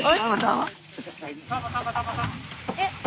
えっ！